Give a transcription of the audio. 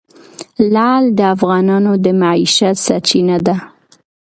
لعل د افغانانو د معیشت سرچینه ده.